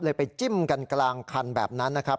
ไปจิ้มกันกลางคันแบบนั้นนะครับ